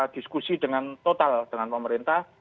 diskusi dengan total dengan pemerintah